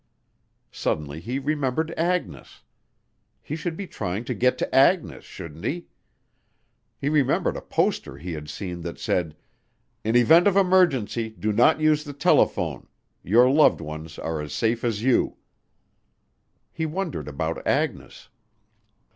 Suddenly, he remembered Agnes. He should be trying to get to Agnes, shouldn't he? He remembered a poster he had seen that said, "In event of emergency do not use the telephone, your loved ones are as safe as you." He wondered about Agnes.